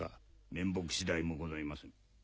面目次第もございません。